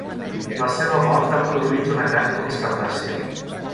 La seva mort ha produït una gran consternació.